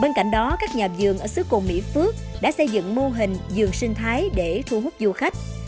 bên cạnh đó các nhà dường ở xứ còn mỹ phước đã xây dựng mô hình dường sinh thái để thu hút du khách